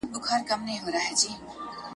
که بیرغ د احمدشاه دی که شمشېر د خوشحال خان دی